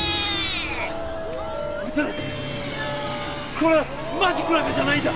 これはマジックなんかじゃないんだ！